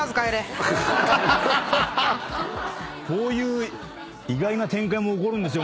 こういう意外な展開も起こるんですよ。